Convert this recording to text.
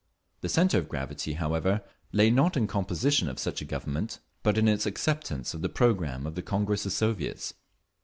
The centre of gravity, however, lay not in composition of such a Government, but in its acceptance of the programme of the Congress of Soviets.